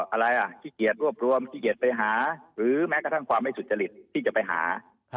อะไรอ่ะขี้เกียจรวบรวมขี้เกียจไปหาหรือแม้กระทั่งความไม่สุจริตที่จะไปหา